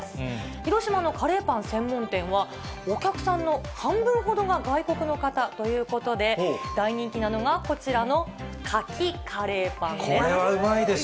広島のカレーパン専門店は、お客さんの半分ほどが外国の方ということで、大人気なのが、これはうまいでしょ。